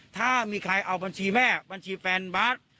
ถ้ามีใครเอาบัญชีแม่บัญชีแฟนบาท